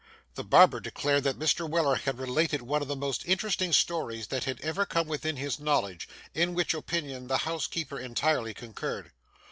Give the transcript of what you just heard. The barber declared that Mr. Weller had related one of the most interesting stories that had ever come within his knowledge, in which opinion the housekeeper entirely concurred.